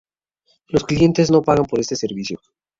Los clientes no pagan por este servicio.